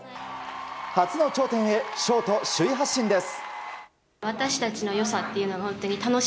初の頂点へショート首位発進です。